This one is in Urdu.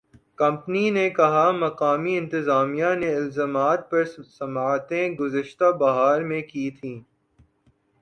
کمپنی نے کہا مقامی انتظامیہ نے الزامات پر سماعتیں گذشتہ بہار میں کی تھیں